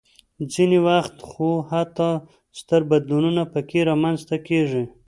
ځینې وخت خو حتی ستر بدلونونه پکې رامنځته کېږي.